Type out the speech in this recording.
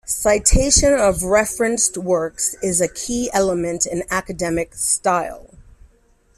Citation of referenced works is a key element in academic style.